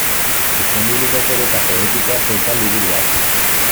Izenburu dotore eta poetikoa zeukan liburuak.